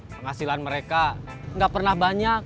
penghasilan mereka nggak pernah banyak